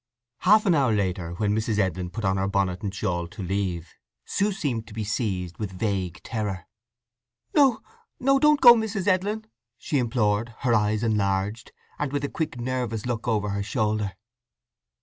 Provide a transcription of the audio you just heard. Half an hour later when Mrs. Edlin put on her bonnet and shawl to leave, Sue seemed to be seized with vague terror. "No—no—don't go, Mrs. Edlin," she implored, her eyes enlarged, and with a quick nervous look over her shoulder.